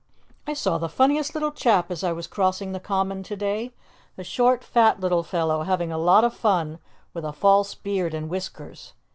I saw the funniest little chap as I was crossing the Common to day a short fat little fellow, having a lot of fun with a false beard and whiskers.